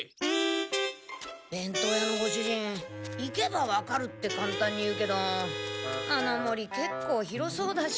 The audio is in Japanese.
べんとう屋のご主人「行けばわかる」って簡単に言うけどあの森けっこう広そうだし。